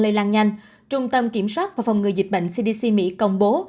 lây lan nhanh trung tâm kiểm soát và phòng ngừa dịch bệnh cdc mỹ công bố